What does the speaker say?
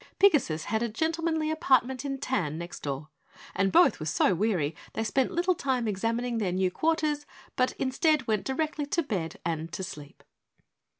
Pigasus had a gentlemanly apartment in tan next door and both were so weary they spent little time examining their new quarters, but instead went directly to bed and to sleep.